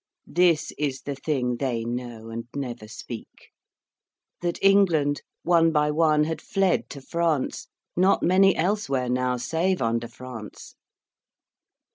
This is the thing they know and never speak, That England one by one had fled to France (Not many elsewhere now save under France).